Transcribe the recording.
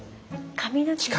髪の毛。